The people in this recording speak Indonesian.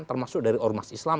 termasuk dari ormas islam